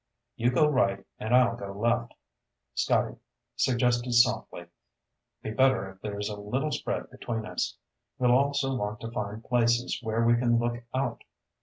"You go right and I'll go left," Scotty suggested softly. "Be better if there's a little spread between us. We'll also want to find places where we can look out.